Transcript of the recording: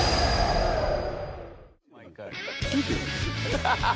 ハハハハ！